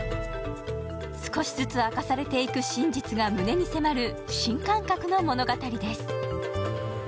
少しずつ明かされてくる真実が胸に迫る新感覚の物語です。